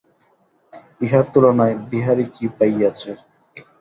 ইহার তুলনায় বিহারী কী পাইয়াছে।